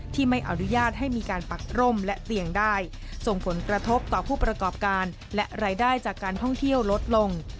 ไม่อนุญาตให้มีการปักร่มและเตียงได้ส่งผลกระทบต่อผู้ประกอบการและรายได้จากการท่องเที่ยวลดลง